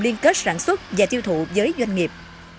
liên kết sản xuất và tiêu thụ giới doanh nghiệp